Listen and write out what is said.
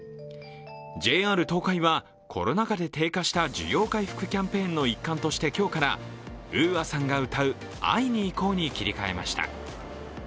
ＪＲ東海は、コロナ禍で低下した需要回復キャンペーンの一環として今日から、ＵＡさんが歌う「会いにいこう」に切り替えました。